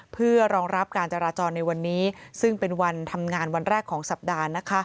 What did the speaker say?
เพื่อรองรับการจราจรในวันนี้ซึ่งเป็นวันทำงานวันแรกของสัปดาห์